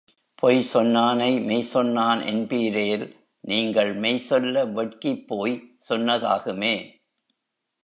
பொய் சொன்னானை மெய் சொன்னான் என்பீரேல் நீங்கள் மெய் சொல்ல வெட்கிப் போய் சொன்னதாகுமே!